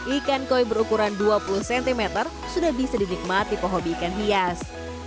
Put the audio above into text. ikan koi berukuran dua puluh cm sudah bisa dinikmati pehobi ikan hias